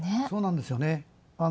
そうなんですよね。